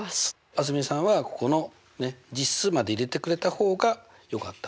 蒼澄さんはここの実数まで入れてくれた方がよかったかな。